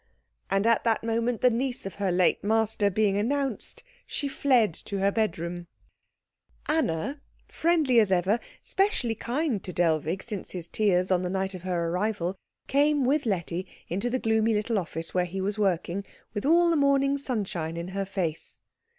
And at that moment, the niece of her late master being announced, she fled into her bedroom. Anna, friendly as ever, specially kind to Dellwig since his tears on the night of her arrival, came with Letty into the gloomy little office where he was working, with all the morning sunshine in her face.